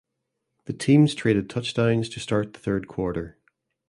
The teams traded touchdowns to start the third quarter.